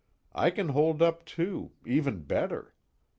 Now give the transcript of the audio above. I can hold up too, even better.